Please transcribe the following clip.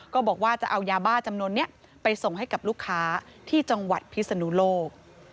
ก็บอกว่าจะเอายาบ้าจำนวนนี้ไปส่งให้กับลูกค้าที่จังหวัดพิศนุโลก